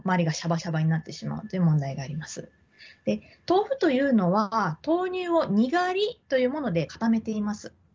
豆腐というのは豆乳をにがりというもので固めています。